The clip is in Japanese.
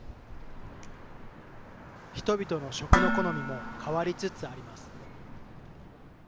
人々の食の好みも変わりつつあります。